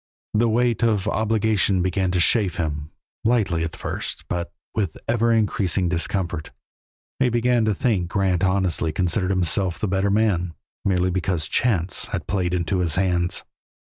The weight of obligation began to chafe him, lightly at first, but with ever increasing discomfort. He began to think that Grant honestly considered himself the better man, merely because chance had played into his hands.